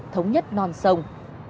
thống nhất non sông